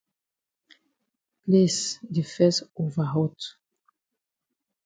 Place di fes over hot.